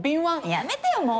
やめてよもう。